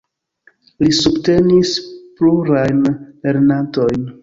Li subtenis plurajn lernantojn.